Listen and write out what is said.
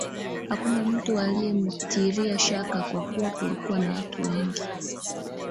Hakuna mtu aliyemtilia shaka kwa kuwa kulikuwa na watu wengi